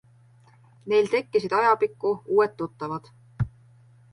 Neil tekkisid ajapikku uued tuttavad.